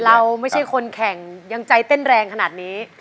เราไม่ใช่คนแข่งยังใจเต้นแรงขนาดนี้